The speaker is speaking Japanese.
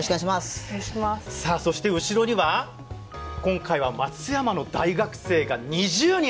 さあそして後ろには今回は松山の大学生が２０人集まりました。